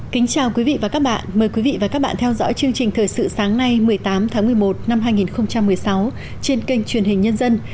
chào mừng quý vị đến với bộ phim thời sự sáng nay một mươi tám tháng một mươi một năm hai nghìn một mươi sáu trên kênh truyền hình nhân dân